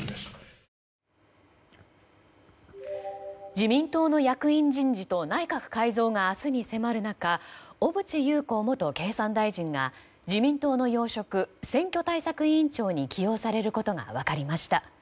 自民党の役員人事と内閣改造が明日に迫る中小渕優子元経産大臣が自民党の要職選挙対策委員長に起用されることが分かりました。